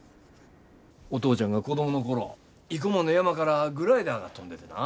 お父ちゃんが子供の頃生駒の山からグライダーが飛んでてな。